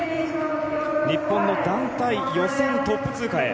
日本の団体予選トップ通過へ。